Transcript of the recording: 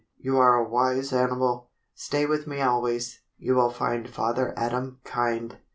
"You are a wise animal. Stay with me always. You will find Father Adam kind."